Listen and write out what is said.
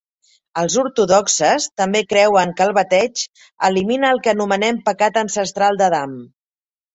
Els ortodoxes també creuen que el bateig elimina el que anomenen pecat ancestral d'Adam.